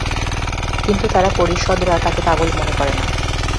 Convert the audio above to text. কিন্তু তার পরিষদরা তাকে পাগল মনে করে না।